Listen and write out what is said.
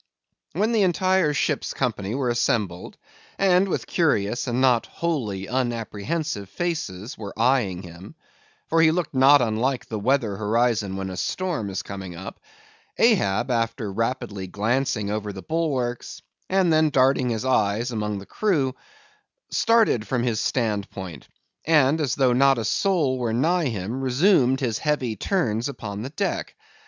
When the entire ship's company were assembled, and with curious and not wholly unapprehensive faces, were eyeing him, for he looked not unlike the weather horizon when a storm is coming up, Ahab, after rapidly glancing over the bulwarks, and then darting his eyes among the crew, started from his standpoint; and as though not a soul were nigh him resumed his heavy turns upon the deck.